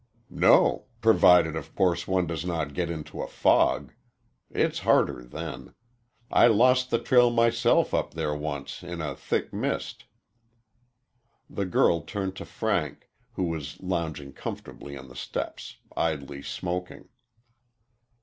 "No provided, of course, one does not get into a fog. It's harder then. I lost the trail myself up there once in a thick mist." The girl turned to Frank, who was lounging comfortably on the steps, idly smoking.